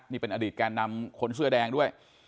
นี่เป็นอดีตแกนนำคนเสื้อแดงด้วย